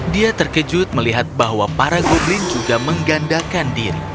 dia terkejut melihat bahwa para goblin juga menggandakan diri